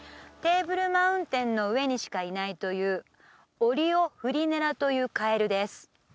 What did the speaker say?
テーブルマウンテンの上にしかいないというオリオフリネラというカエルです